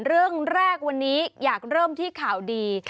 เรื่องแรกวันนี้อยากเริ่มที่ข่าวดี